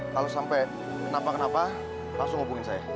kalau sampai kenapa kenapa langsung hubungin saya